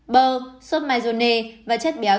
bơ sốt maizone và chất béo